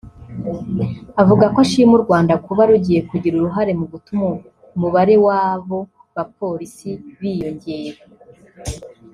Avuga ko ashima u Rwanda kuba rugiye kugira uruhare mu gutuma umubare w’abo bapolisi biyongera